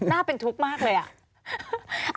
หน้าเป็นทุกข์มากเลยอ่ะ